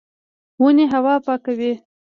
ونې هوا پاکوي